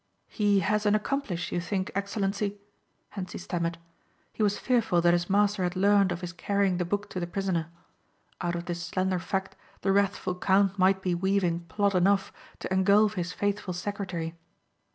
"He has an accomplice you think, Excellency?" Hentzi stammered. He was fearful that his master had learned of his carrying the book to the prisoner. Out of this slender fact the wrathful count might be weaving plot enough to engulf his faithful secretary.